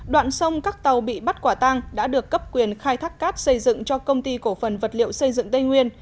đoạn sông các tàu bị bắt quả tang đã được cấp quyền khai thác cát xây dựng cho công ty cổ phần vật liệu xây dựng tây nguyên